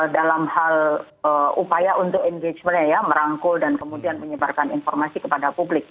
dalam hal upaya untuk engagementnya ya merangkul dan kemudian menyebarkan informasi kepada publik